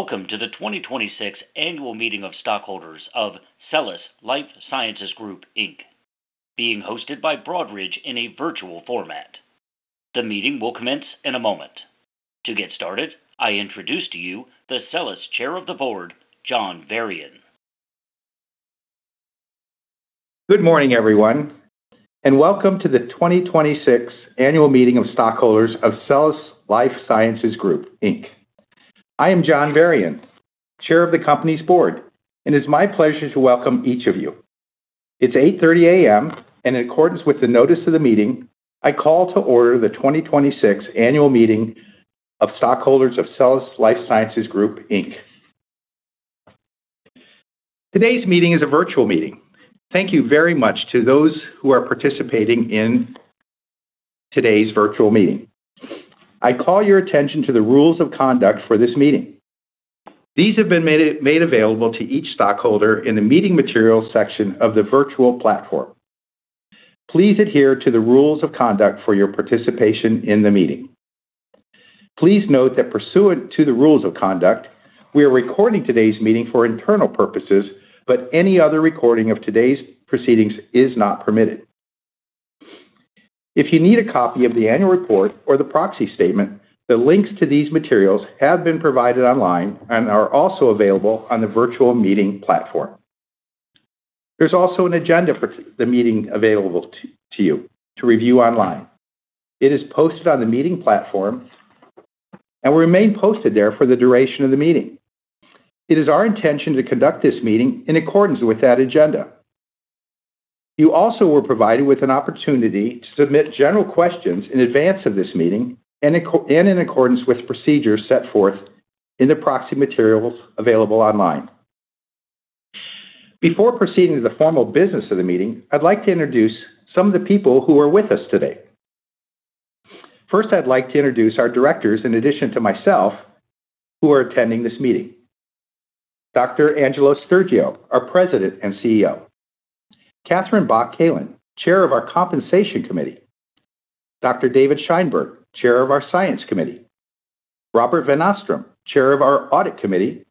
Welcome to the 2026 annual meeting of stockholders of SELLAS Life Sciences Group Inc, being hosted by Broadridge in a virtual format. The meeting will commence in a moment. To get started, I introduce to you the SELLAS Chair of the Board, John Varian. Good morning, everyone. Welcome to the 2026 annual meeting of stockholders of SELLAS Life Sciences Group Inc. I am John Varian, Chair of the company's board, and it's my pleasure to welcome each of you. It's 8:30 A.M. In accordance with the notice of the meeting, I call to order the 2026 annual meeting of stockholders of SELLAS Life Sciences Group Inc. Today's meeting is a virtual meeting. Thank you very much to those who are participating in today's virtual meeting. I call your attention to the rules of conduct for this meeting. These have been made available to each stockholder in the meeting materials section of the virtual platform. Please adhere to the rules of conduct for your participation in the meeting. Please note that pursuant to the rules of conduct, we are recording today's meeting for internal purposes. Any other recording of today's proceedings is not permitted. If you need a copy of the annual report or the proxy statement, the links to these materials have been provided online and are also available on the virtual meeting platform. There's also an agenda for the meeting available to you to review online. It is posted on the meeting platform and will remain posted there for the duration of the meeting. It is our intention to conduct this meeting in accordance with that agenda. You also were provided with an opportunity to submit general questions in advance of this meeting and in accordance with procedures set forth in the proxy materials available online. Before proceeding to the formal business of the meeting, I'd like to introduce some of the people who are with us today. I'd like to introduce our directors, in addition to myself, who are attending this meeting. Dr. Angelos Stergiou, our President and CEO. Katherine Bach Kalin, Chair of our Compensation Committee. Dr. David Scheinberg, Chair of our Science Committee. Robert Van Nostrand, Chair of our Audit Committee,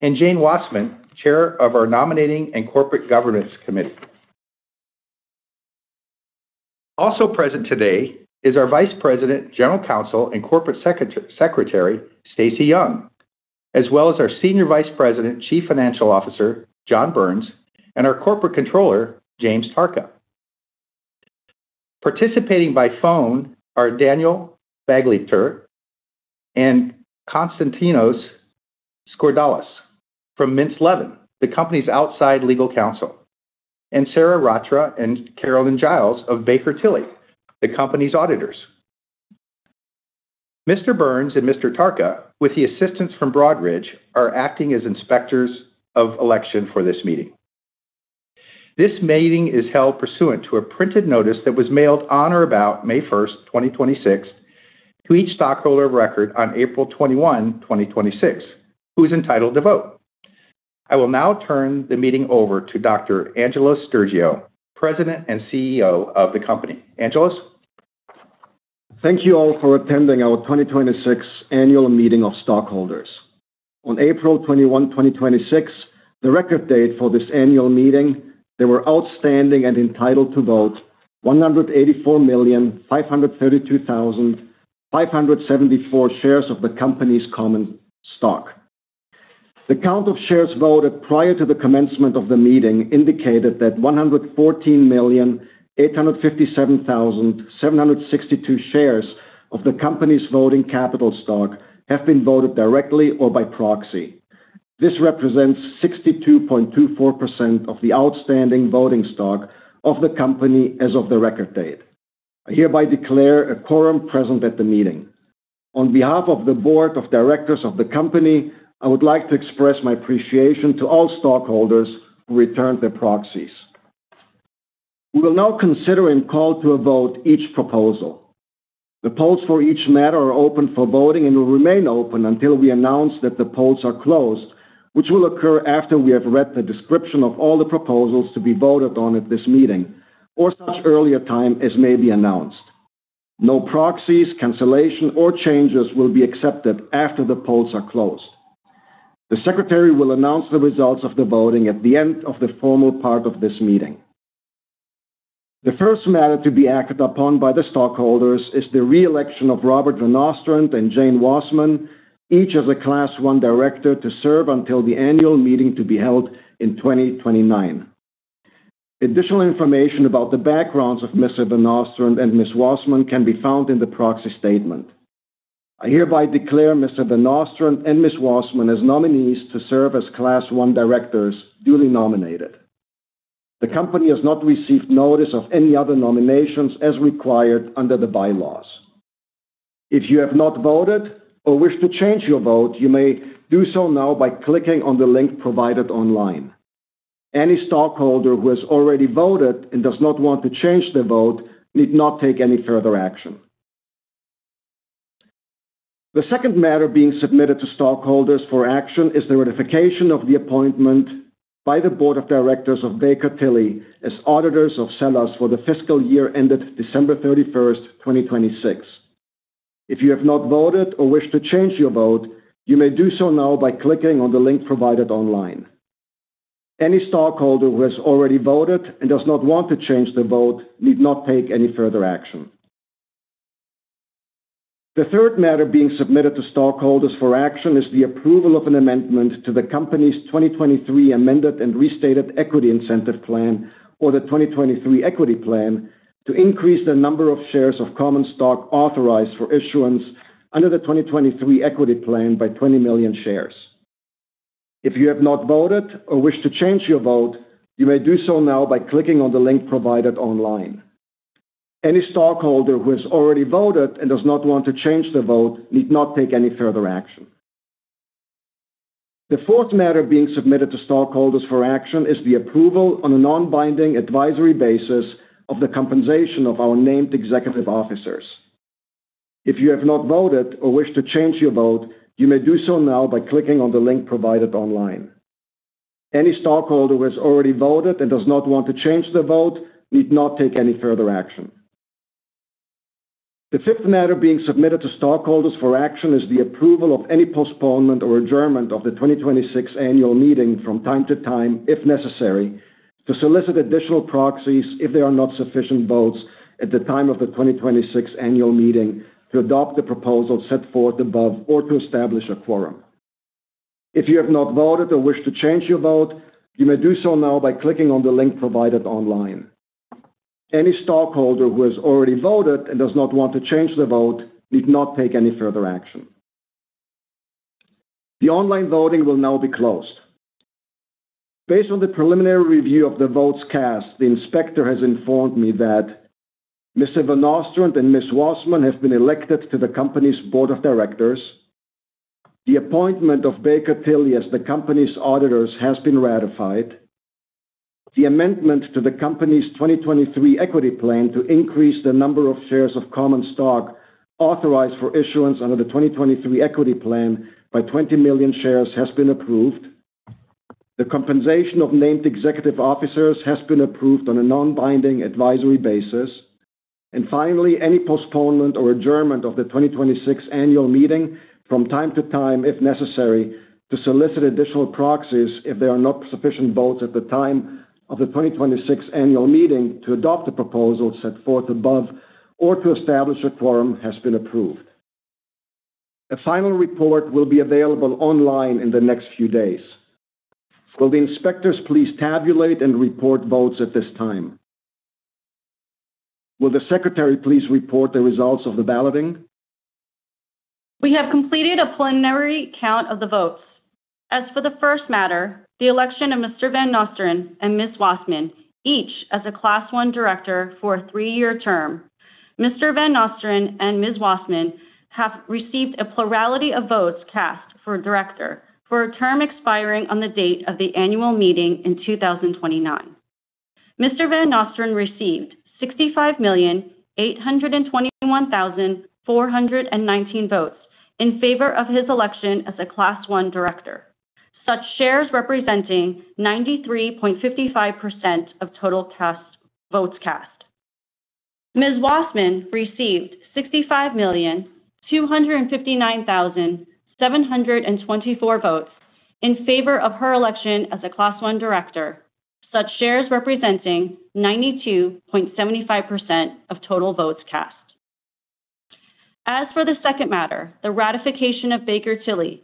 and Jane Wasserman, Chair of our Nominating and Corporate Governance Committee. Present today is our Vice President, General Counsel, and Corporate Secretary, Stacy Yeung, as well as our Senior Vice President, Chief Financial Officer, John Burns, and our Corporate Controller, Jim Tarca. Participating by phone are Daniel Bagliebter and Konstantinos Skordalos from Mintz Levin, the company's outside Legal Counsel. Sarah Ratra and Carolyn Giles of Baker Tilly, the company's Auditors. Mr. Burns and Mr. Tarca, with the assistance from Broadridge, are acting as inspectors of election for this meeting. This meeting is held pursuant to a printed notice that was mailed on or about May 1st, 2026, to each stockholder of record on April 21, 2026, who is entitled to vote. I will now turn the meeting over to Dr. Angelos Stergiou, President and Chief Executive Officer of the company. Angelos? Thank you all for attending our 2026 annual meeting of stockholders. On April 21, 2026, the record date for this annual meeting, there were outstanding and entitled to vote 184,532,574 shares of the company's common stock. The count of shares voted prior to the commencement of the meeting indicated that 114,857,762 shares of the company's voting capital stock have been voted directly or by proxy. This represents 62.24% of the outstanding voting stock of the company as of the record date. I hereby declare a quorum present at the meeting. On behalf of the board of directors of the company, I would like to express my appreciation to all stockholders who returned their proxies. We will now consider and call to a vote each proposal. The polls for each matter are open for voting and will remain open until we announce that the polls are closed, which will occur after we have read the description of all the proposals to be voted on at this meeting or such earlier time as may be announced. No proxies, cancellation, or changes will be accepted after the polls are closed. The secretary will announce the results of the voting at the end of the formal part of this meeting. The first matter to be acted upon by the stockholders is the re-election of Robert Van Nostrand and Jane Wasserman, each as a Class I director to serve until the annual meeting to be held in 2029. Additional information about the backgrounds of Mr. Van Nostrand and Ms. Wasserman can be found in the proxy statement. I hereby declare Mr. Van Nostrand and Ms. Wasserman as nominees to serve as Class I directors duly nominated. The company has not received notice of any other nominations as required under the bylaws. If you have not voted or wish to change your vote, you may do so now by clicking on the link provided online. Any stockholder who has already voted and does not want to change their vote need not take any further action. The second matter being submitted to stockholders for action is the ratification of the appointment by the board of directors of Baker Tilly as auditors of SELLAS for the fiscal year ended December 31st, 2026. If you have not voted or wish to change your vote, you may do so now by clicking on the link provided online. Any stockholder who has already voted and does not want to change their vote need not take any further action. The third matter being submitted to stockholders for action is the approval of an amendment to the company's 2023 Amended and Restated Equity Incentive Plan or the 2023 Equity Plan to increase the number of shares of common stock authorized for issuance under the 2023 Equity Plan by 20 million shares. If you have not voted or wish to change your vote, you may do so now by clicking on the link provided online. Any stockholder who has already voted and does not want to change their vote need not take any further action. The fourth matter being submitted to stockholders for action is the approval on a non-binding advisory basis of the compensation of our named executive officers. If you have not voted or wish to change your vote, you may do so now by clicking on the link provided online. Any stockholder who has already voted and does not want to change their vote need not take any further action. The fifth matter being submitted to stockholders for action is the approval of any postponement or adjournment of the 2026 annual meeting from time to time, if necessary, to solicit additional proxies if there are not sufficient votes at the time of the 2026 annual meeting to adopt the proposal set forth above or to establish a quorum. If you have not voted or wish to change your vote, you may do so now by clicking on the link provided online. Any stockholder who has already voted and does not want to change their vote need not take any further action. The online voting will now be closed. Based on the preliminary review of the votes cast, the inspector has informed me that Mr. Van Nostrand and Ms. Wasserman have been elected to the company's board of directors. The appointment of Baker Tilly as the company's auditors has been ratified. The amendment to the company's 2023 Equity Plan to increase the number of shares of common stock authorized for issuance under the 2023 Equity Plan by 20 million shares has been approved. The compensation of named executive officers has been approved on a non-binding advisory basis. Finally, any postponement or adjournment of the 2026 annual meeting from time to time, if necessary, to solicit additional proxies if there are not sufficient votes at the time of the 2026 annual meeting to adopt the proposal set forth above or to establish a quorum has been approved. A final report will be available online in the next few days. Will the inspectors please tabulate and report votes at this time? Will the secretary please report the results of the balloting? We have completed a preliminary count of the votes. As for the first matter, the election of Mr. Van Nostrand and Ms. Wasserman, each as a Class I director for a three-year term. Mr. Van Nostrand and Ms. Wasserman have received a plurality of votes cast for director for a term expiring on the date of the annual meeting in 2029. Mr. Van Nostrand received 65,821,419 votes in favor of his election as a Class I director, such shares representing 93.55% of total votes cast. Ms. Wasserman received 65,259,724 votes in favor of her election as a Class I director, such shares representing 92.75% of total votes cast. As for the second matter, the ratification of Baker Tilly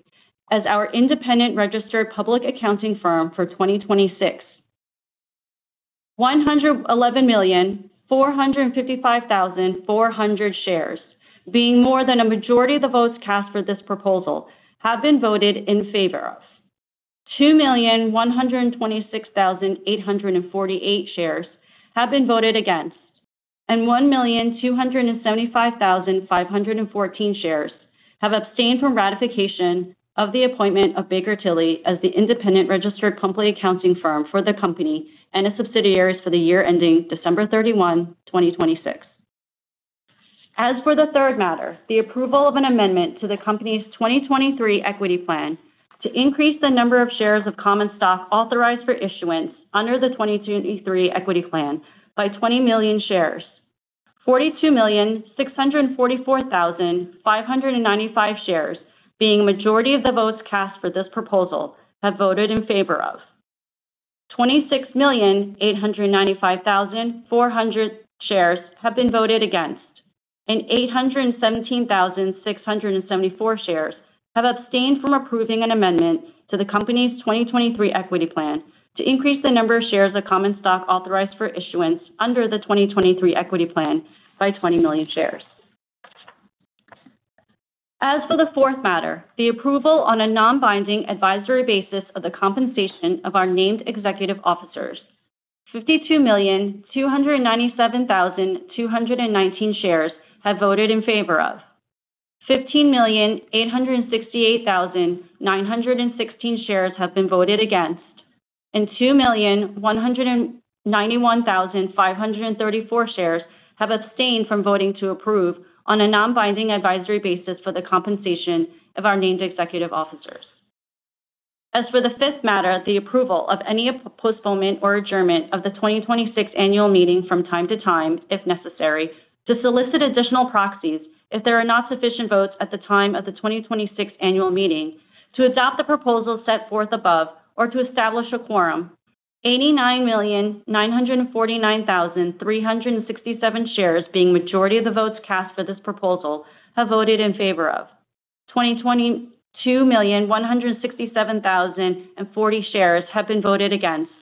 as our independent registered public accounting firm for 2026. 111,455,400 shares. Being more than a majority of the votes cast for this proposal, have been voted in favor of. 2,126,848 shares have been voted against. 1,275,514 shares have abstained from ratification of the appointment of Baker Tilly as the independent registered public accounting firm for the company and its subsidiaries for the year ending December 31, 2026. As for the third matter, the approval of an amendment to the company's 2023 Equity Plan to increase the number of shares of common stock authorized for issuance under the 2023 Equity Plan by 20 million shares. 42,644,595 shares, being a majority of the votes cast for this proposal, have voted in favor of. 26,895,400 shares have been voted against. 817,674 shares have abstained from approving an amendment to the company's 2023 Equity Plan to increase the number of shares of common stock authorized for issuance under the 2023 Equity Plan by 20 million shares. As for the fourth matter, the approval on a non-binding advisory basis of the compensation of our named executive officers. 52,297,219 shares have voted in favor of. 15,868,916 shares have been voted against. 2,191,534 shares have abstained from voting to approve on a non-binding advisory basis for the compensation of our named executive officers. As for the fifth matter, the approval of any postponement or adjournment of the 2026 annual meeting from time to time, if necessary, to solicit additional proxies, if there are not sufficient votes at the time of the 2026 annual meeting. To adopt the proposal set forth above or to establish a quorum. 89,949,367 shares, being majority of the votes cast for this proposal, have voted in favor of. 22,167,040 shares have been voted against.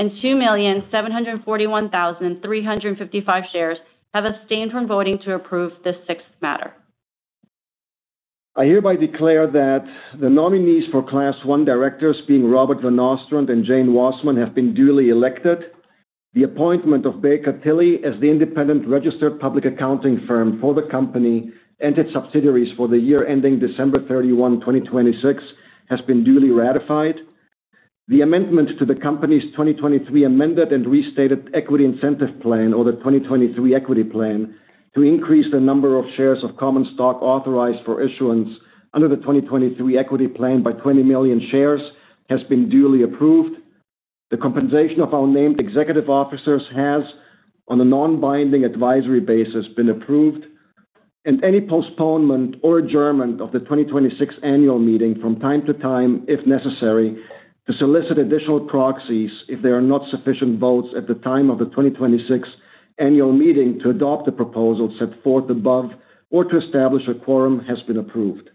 2,741,355 shares have abstained from voting to approve this fifth matter. I hereby declare that the nominees for Class I directors being Robert Van Nostrand and Jane Wasserman, have been duly elected. The appointment of Baker Tilly as the independent registered public accounting firm for the company and its subsidiaries for the year ending December 31, 2026, has been duly ratified. The amendment to the company's 2023 Amended and Restated Equity Incentive Plan or the 2023 Equity Plan to increase the number of shares of common stock authorized for issuance under the 2023 Equity Plan by 20 million shares has been duly approved. The compensation of our named executive officers has, on a non-binding advisory basis, been approved, and any postponement or adjournment of the 2026 annual meeting from time to time, if necessary, to solicit additional proxies, if there are not sufficient votes at the time of the 2026 annual meeting to adopt the proposal set forth above or to establish a quorum, has been approved.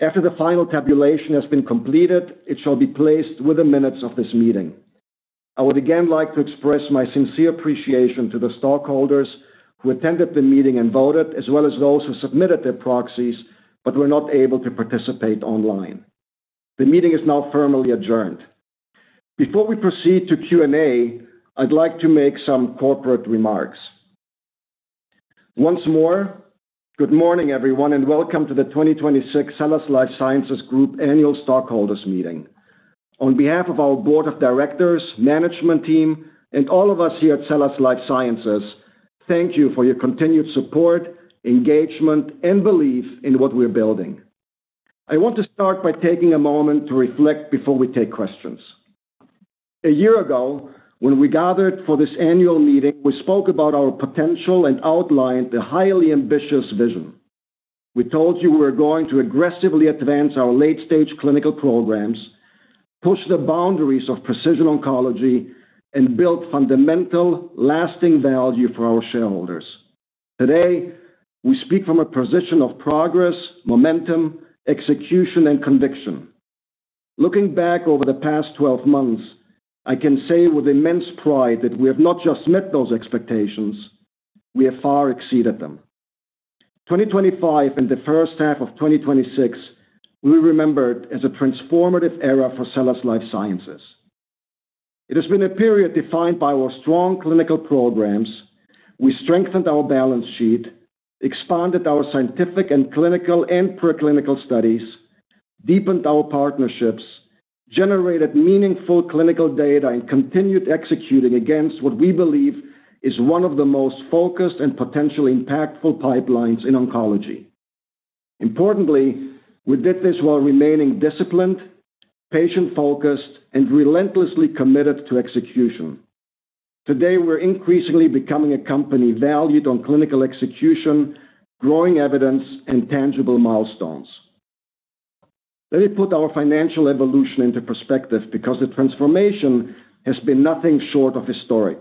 After the final tabulation has been completed, it shall be placed with the minutes of this meeting. I would again like to express my sincere appreciation to the stockholders who attended the meeting and voted, as well as those who submitted their proxies but were not able to participate online. The meeting is now formally adjourned. Before we proceed to Q&A, I'd like to make some corporate remarks. Once more, good morning, everyone, and welcome to the 2026 SELLAS Life Sciences Group Annual Stockholders' Meeting. On behalf of our board of directors, management team, and all of us here at SELLAS Life Sciences, thank you for your continued support, engagement, and belief in what we're building. I want to start by taking a moment to reflect before we take questions. A year ago, when we gathered for this annual meeting, we spoke about our potential and outlined the highly ambitious vision. We told you we were going to aggressively advance our late-stage clinical programs, push the boundaries of precision oncology, and build fundamental, lasting value for our shareholders. Today, we speak from a position of progress, momentum, execution, and conviction. Looking back over the past 12 months, I can say with immense pride that we have not just met those expectations, we have far exceeded them. 2025 and the first half of 2026 will be remembered as a transformative era for SELLAS Life Sciences. It has been a period defined by our strong clinical programs. We strengthened our balance sheet, expanded our scientific and clinical and preclinical studies, deepened our partnerships, generated meaningful clinical data, and continued executing against what we believe is one of the most focused and potentially impactful pipelines in oncology. Importantly, we did this while remaining disciplined, patient-focused, and relentlessly committed to execution. Today, we're increasingly becoming a company valued on clinical execution, growing evidence, and tangible milestones. Let me put our financial evolution into perspective, because the transformation has been nothing short of historic.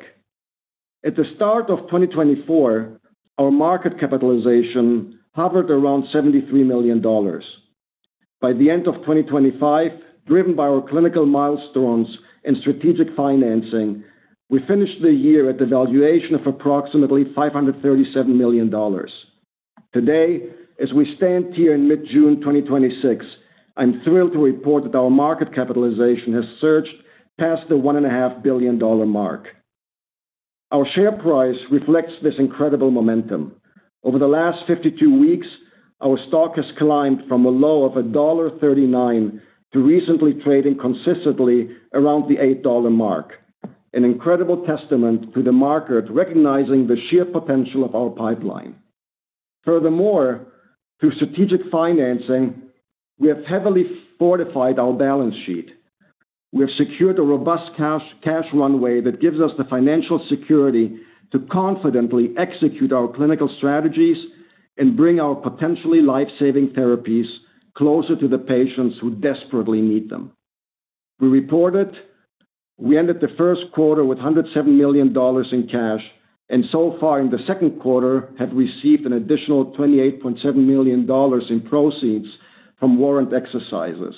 At the start of 2024, our market capitalization hovered around $73 million. By the end of 2025, driven by our clinical milestones and strategic financing, we finished the year at the valuation of approximately $537 million. Today, as we stand here in mid-June 2026, I'm thrilled to report that our market capitalization has surged past the $1.5 billion mark. Our share price reflects this incredible momentum. Over the last 52 weeks, our stock has climbed from a low of $1.39 to recently trading consistently around the $8 mark, an incredible testament to the market recognizing the sheer potential of our pipeline. Furthermore, through strategic financing, we have heavily fortified our balance sheet. We have secured a robust cash runway that gives us the financial security to confidently execute our clinical strategies and bring our potentially life-saving therapies closer to the patients who desperately need them. We reported we ended the first quarter with $107 million in cash and so far in the second quarter have received an additional $28.7 million in proceeds from warrant exercises.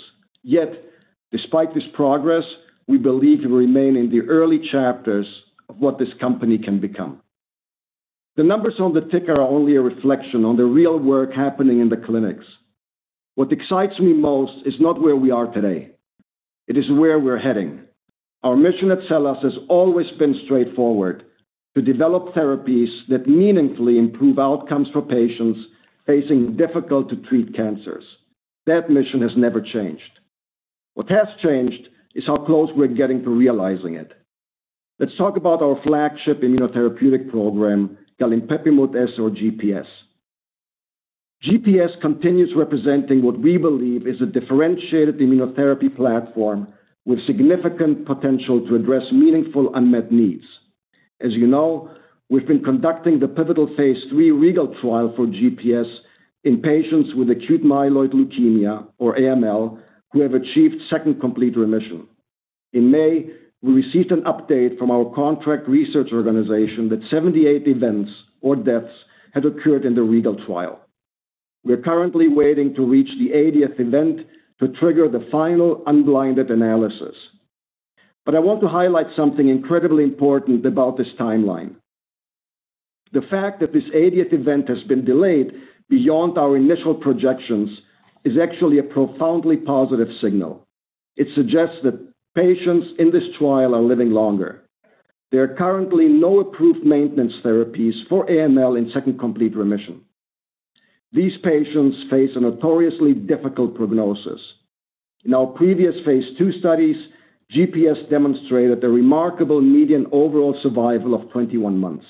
Despite this progress, we believe we remain in the early chapters of what this company can become. The numbers on the ticker are only a reflection on the real work happening in the clinics. What excites me most is not where we are today, it is where we're heading. Our mission at SELLAS has always been straightforward, to develop therapies that meaningfully improve outcomes for patients facing difficult-to-treat cancers. That mission has never changed. What has changed is how close we're getting to realizing it. Let's talk about our flagship immunotherapeutic program, galinpepimut-S or GPS. GPS continues representing what we believe is a differentiated immunotherapy platform with significant potential to address meaningful unmet needs. As you know, we've been conducting the pivotal phase III REGAL trial for GPS in patients with acute myeloid leukemia, or AML, who have achieved second complete remission. In May, we received an update from our contract research organization that 78 events or deaths had occurred in the REGAL trial. We're currently waiting to reach the 80th event to trigger the final unblinded analysis. I want to highlight something incredibly important about this timeline. The fact that this 80th event has been delayed beyond our initial projections is actually a profoundly positive signal. It suggests that patients in this trial are living longer. There are currently no approved maintenance therapies for AML in second complete remission. These patients face a notoriously difficult prognosis. In our previous phase II studies, GPS demonstrated a remarkable median overall survival of 21 months.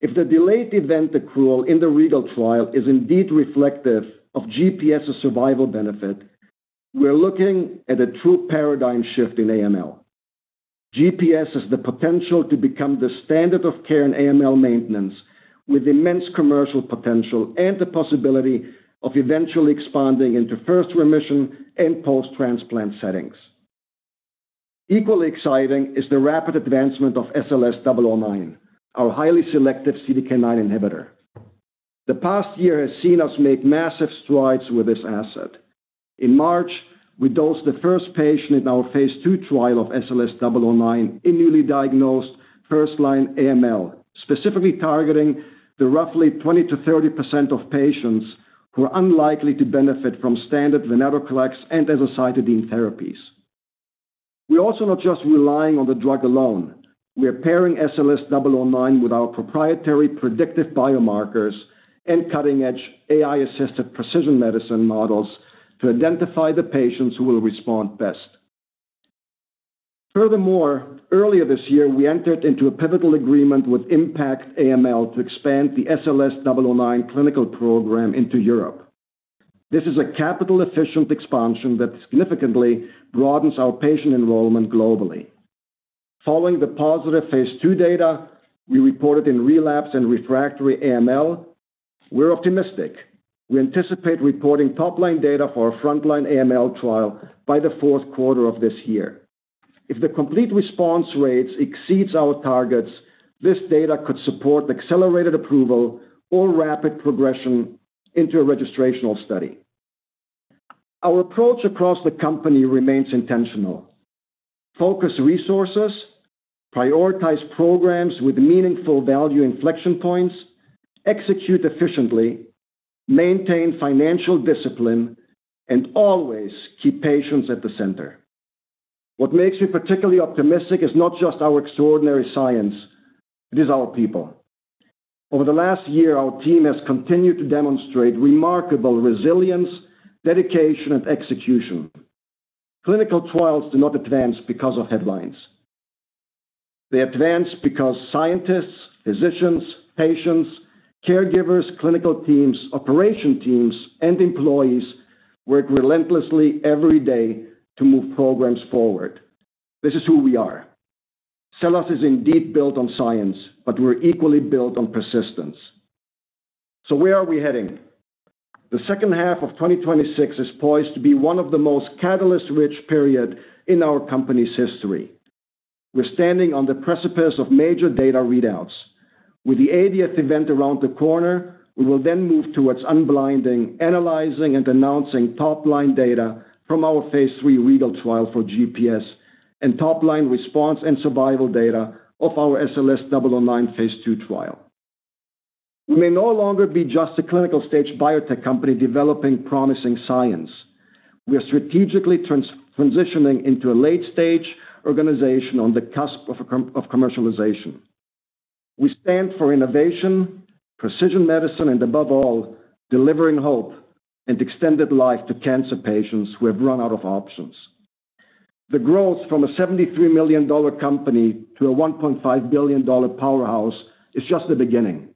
If the delayed event accrual in the REGAL trial is indeed reflective of GPS' survival benefit, we're looking at a true paradigm shift in AML. GPS has the potential to become the standard of care in AML maintenance, with immense commercial potential and the possibility of eventually expanding into first remission and post-transplant settings. Equally exciting is the rapid advancement of SLS009, our highly selective CDK9 inhibitor. The past year has seen us make massive strides with this asset. In March, we dosed the first patient in our phase II trial of SLS009 in newly diagnosed first-line AML, specifically targeting the roughly 20%-30% of patients who are unlikely to benefit from standard venetoclax and azacitidine therapies. We're also not just relying on the drug alone. We are pairing SLS009 with our proprietary predictive biomarkers and cutting-edge AI-assisted precision medicine models to identify the patients who will respond best. Furthermore, earlier this year, we entered into a pivotal agreement with IMPACT-AML to expand the SLS009 clinical program into Europe. This is a capital-efficient expansion that significantly broadens our patient enrollment globally. Following the positive phase II data we reported in relapse and refractory AML, we're optimistic. We anticipate reporting top-line data for our frontline AML trial by the fourth quarter of this year. If the complete response rates exceeds our targets, this data could support accelerated approval or rapid progression into a registrational study. Our approach across the company remains intentional. Focus resources, prioritize programs with meaningful value inflection points, execute efficiently, maintain financial discipline, and always keep patients at the center. What makes me particularly optimistic is not just our extraordinary science, it is our people. Over the last year, our team has continued to demonstrate remarkable resilience, dedication, and execution. Clinical trials do not advance because of headlines. They advance because scientists, physicians, patients, caregivers, clinical teams, operation teams, and employees work relentlessly every day to move programs forward. This is who we are. SELLAS is indeed built on science, but we're equally built on persistence. Where are we heading? The second half of 2026 is poised to be one of the most catalyst-rich period in our company's history. We're standing on the precipice of major data readouts. With the 80th event around the corner, we will then move towards unblinding, analyzing, and announcing top-line data from our phase III REGAL trial for GPS and top-line response and survival data of our SLS009 phase II trial. We may no longer be just a clinical-stage biotech company developing promising science. We are strategically transitioning into a late-stage organization on the cusp of commercialization. We stand for innovation, precision medicine, and above all, delivering hope and extended life to cancer patients who have run out of options. The growth from a $73 million company to a $1.5 billion powerhouse is just the beginning.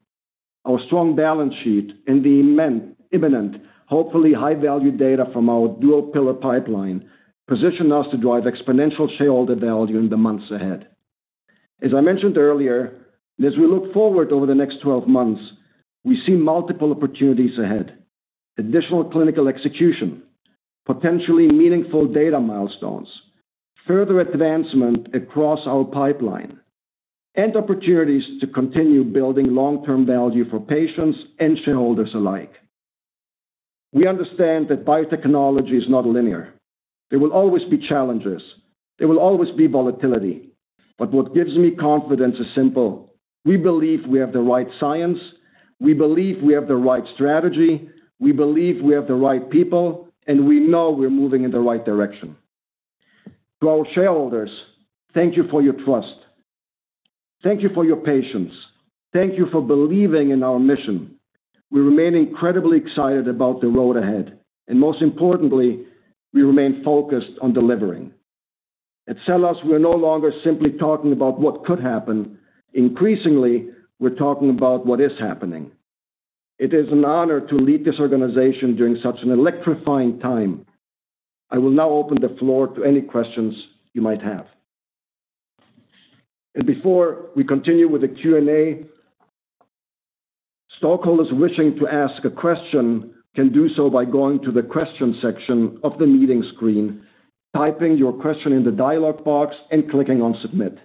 Our strong balance sheet and the imminent, hopefully high-value data from our dual-pillar pipeline position us to drive exponential shareholder value in the months ahead. As I mentioned earlier, as we look forward over the next 12 months, we see multiple opportunities ahead. Additional clinical execution, potentially meaningful data milestones, further advancement across our pipeline, and opportunities to continue building long-term value for patients and shareholders alike. We understand that biotechnology is not linear. There will always be challenges. There will always be volatility. What gives me confidence is simple. We believe we have the right science, we believe we have the right strategy, we believe we have the right people. We know we're moving in the right direction. To our shareholders, thank you for your trust. Thank you for your patience. Thank you for believing in our mission. We remain incredibly excited about the road ahead, and most importantly, we remain focused on delivering. At SELLAS, we're no longer simply talking about what could happen. Increasingly, we're talking about what is happening. It is an honor to lead this organization during such an electrifying time. I will now open the floor to any questions you might have. Before we continue with the Q&A, stockholders wishing to ask a question can do so by going to the question section of the meeting screen, typing your question in the dialogue box and clicking on submit.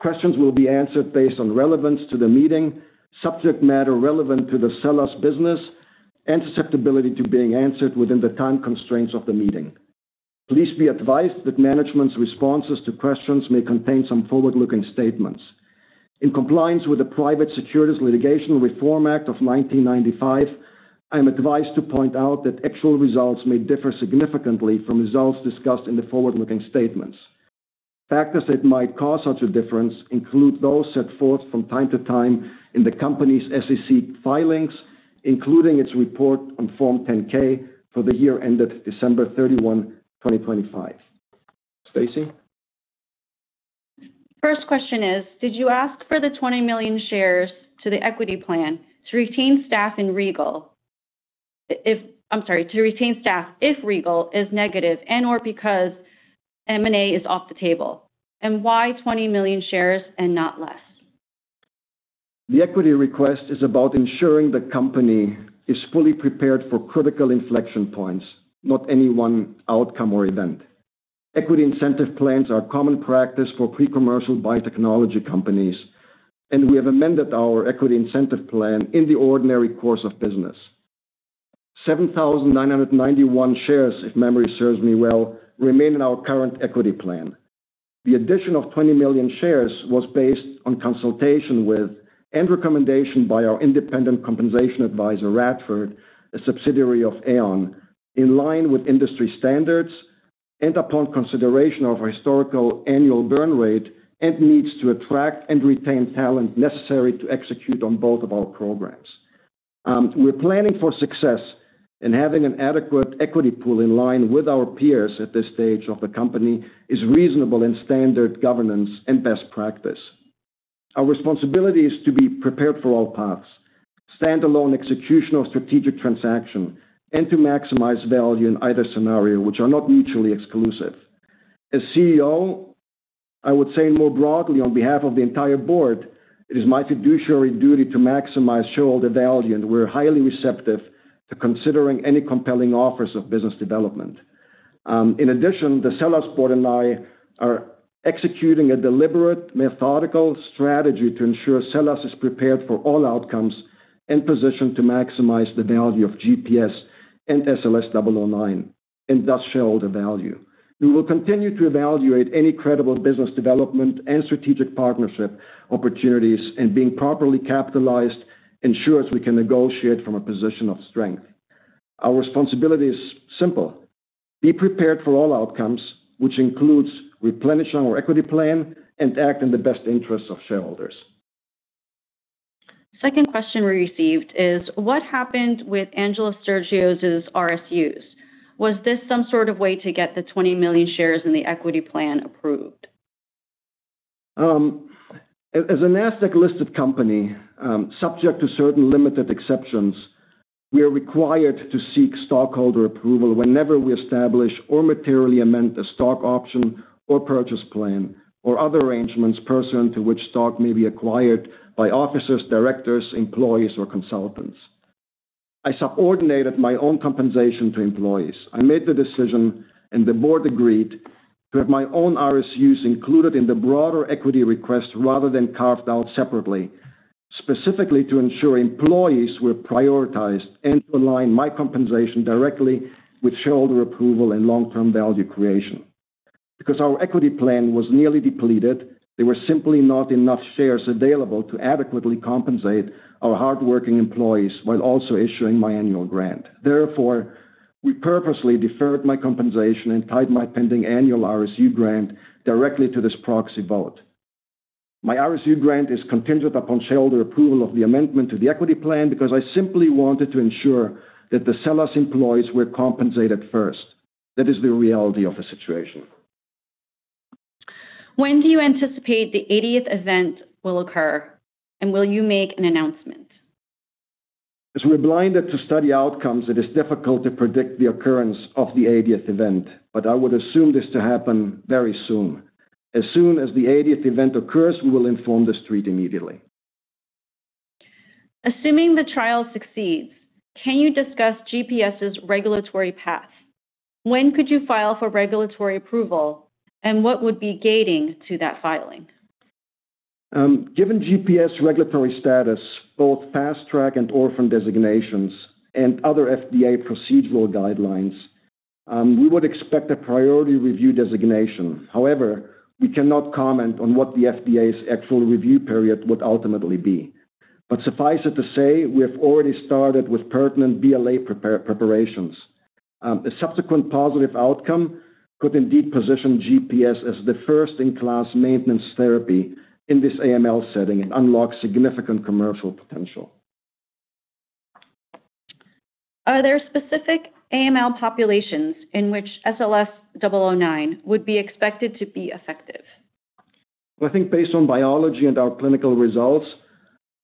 Questions will be answered based on relevance to the meeting, subject matter relevant to the SELLAS business, and susceptibility to being answered within the time constraints of the meeting. Please be advised that management's responses to questions may contain some forward-looking statements. In compliance with the Private Securities Litigation Reform Act of 1995, I'm advised to point out that actual results may differ significantly from results discussed in the forward-looking statements. Factors that might cause such a difference include those set forth from time to time in the company's SEC filings, including its report on Form 10-K for the year ended December 31, 2025. Stacy? First question is, did you ask for the 20 million shares to the equity plan to retain staff if REGAL is negative and/or because M&A is off the table? Why 20 million shares and not less? The equity request is about ensuring the company is fully prepared for critical inflection points, not any one outcome or event. Equity incentive plans are common practice for pre-commercial biotechnology companies, and we have amended our equity incentive plan in the ordinary course of business. 7,991 shares, if memory serves me well, remain in our current equity plan. The addition of 20 million shares was based on consultation with, and recommendation by our independent compensation advisor, Radford, a subsidiary of Aon, in line with industry standards, and upon consideration of our historical annual burn rate and needs to attract and retain talent necessary to execute on both of our programs. We're planning for success and having an adequate equity pool in line with our peers at this stage of the company is reasonable in standard governance and best practice. Our responsibility is to be prepared for all paths, standalone execution or strategic transaction, and to maximize value in either scenario, which are not mutually exclusive. As CEO, I would say more broadly on behalf of the entire board, it is my fiduciary duty to maximize shareholder value. We're highly receptive to considering any compelling offers of business development. In addition, the SELLAS board and I are executing a deliberate, methodical strategy to ensure SELLAS is prepared for all outcomes and positioned to maximize the value of GPS and SLS009 and thus shareholder value. We will continue to evaluate any credible business development and strategic partnership opportunities. Being properly capitalized ensures we can negotiate from a position of strength. Our responsibility is simple, be prepared for all outcomes, which includes replenishing our equity plan and act in the best interests of shareholders. Second question we received is, what happened with Angelos Stergiou's RSUs? Was this some sort of way to get the 20 million shares in the equity plan approved? As a NASDAQ-listed company, subject to certain limited exceptions, we are required to seek stockholder approval whenever we establish or materially amend a stock option or purchase plan or other arrangements pursuant to which stock may be acquired by officers, directors, employees, or consultants. I subordinated my own compensation to employees. I made the decision, and the board agreed, to have my own RSUs included in the broader equity request rather than carved out separately, specifically to ensure employees were prioritized and to align my compensation directly with shareholder approval and long-term value creation. Because our equity plan was nearly depleted, there were simply not enough shares available to adequately compensate our hardworking employees while also issuing my annual grant. Therefore, we purposely deferred my compensation and tied my pending annual RSU grant directly to this proxy vote. My RSU grant is contingent upon shareholder approval of the amendment to the equity plan because I simply wanted to ensure that the SELLAS employees were compensated first. That is the reality of the situation. When do you anticipate the 80th event will occur, and will you make an announcement? As we're blinded to study outcomes, it is difficult to predict the occurrence of the 80th event, but I would assume this to happen very soon. As soon as the 80th event occurs, we will inform the Street immediately. Assuming the trial succeeds, can you discuss GPS's regulatory path? When could you file for regulatory approval, and what would be gating to that filing? Given GPS regulatory status, both fast track and orphan designations and other FDA procedural guidelines, we would expect a priority review designation. We cannot comment on what the FDA's actual review period would ultimately be. Suffice it to say, we have already started with pertinent BLA preparations. A subsequent positive outcome could indeed position GPS as the first-in-class maintenance therapy in this AML setting and unlock significant commercial potential. Are there specific AML populations in which SLS009 would be expected to be effective? Well, I think based on biology and our clinical results,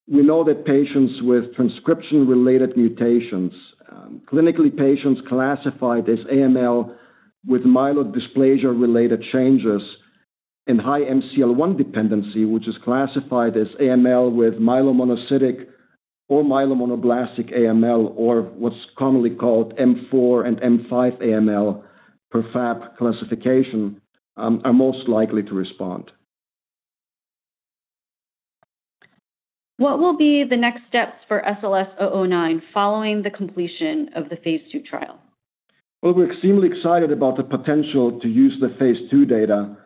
we know that patients with transcription-related mutations, clinically patients classified as AML with myelodysplasia-related changes and high MCL1 dependency, which is classified as AML with myelomonocytic or myelomonoblastic AML, or what's commonly called M4 and M5 AML per FAB classification, are most likely to respond. What will be the next steps for SLS009 following the completion of the phase II trial? We're extremely excited about the potential to use the phase II data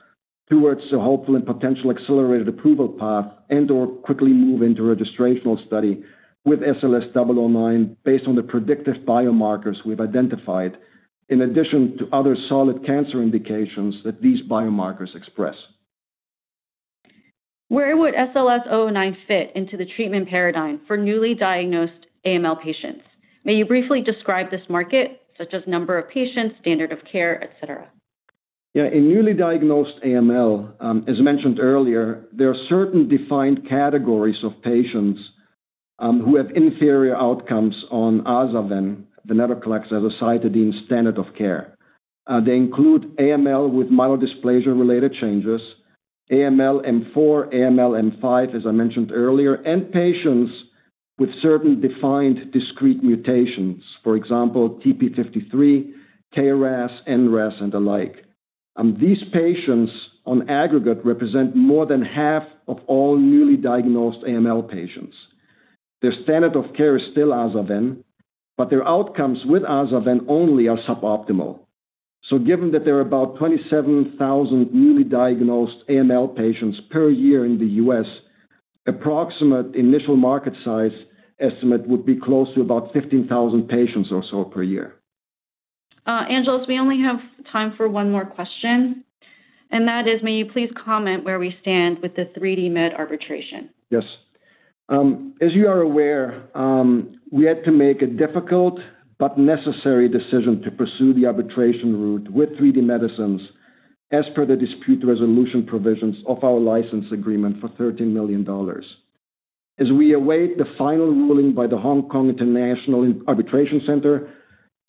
towards a hopeful and potential accelerated approval path and/or quickly move into registrational study with SLS009 based on the predictive biomarkers we've identified, in addition to other solid cancer indications that these biomarkers express. Where would SLS009 fit into the treatment paradigm for newly diagnosed AML patients? May you briefly describe this market, such as number of patients, standard of care, et cetera? In newly diagnosed AML, as mentioned earlier, there are certain defined categories of patients who have inferior outcomes on azacitidine, the venetoclax, azacitidine standard of care. They include AML with myelodysplasia-related changes, AML-M4, AML-M5, as I mentioned earlier, and patients with certain defined discrete mutations, for example, TP53, KRAS, NRAS, and the like. These patients on aggregate represent more than half of all newly diagnosed AML patients. Their standard of care is still azacitidine, but their outcomes with azacitidine only are suboptimal. Given that there are about 27,000 newly diagnosed AML patients per year in the U.S., approximate initial market size estimate would be close to about 15,000 patients or so per year. Angelos, we only have time for one more question, that is, may you please comment where we stand with the 3D Medicines arbitration? Yes. As you are aware, we had to make a difficult but necessary decision to pursue the arbitration route with 3D Medicines as per the dispute resolution provisions of our license agreement for $13 million. As we await the final ruling by the Hong Kong International Arbitration Centre,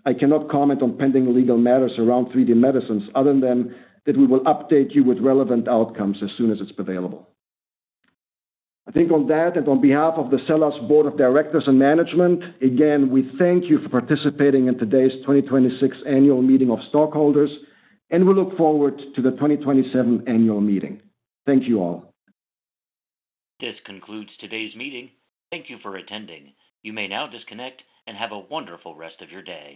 I cannot comment on pending legal matters around 3D Medicines other than that we will update you with relevant outcomes as soon as it's available. I think on that, on behalf of the SELLAS Board of Directors and Management, again, we thank you for participating in today's 2026 Annual Meeting of Stockholders, and we look forward to the 2027 Annual Meeting. Thank you all. This concludes today's meeting. Thank you for attending. You may now disconnect and have a wonderful rest of your day.